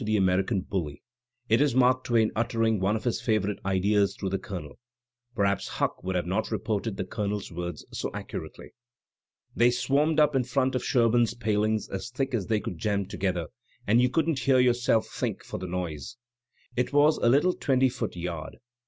^ the American bully. It is Mark Twain uttering one of his favourite ideas through the Colonel. (Perhaps Huck would ,jaot have reported the Colonel's words so accurately.) "They swarmed up in front of Sherbum's palings as thick as they could jam together, and you couldn't hear yourself think for the noise. It was a little twenty foot yard.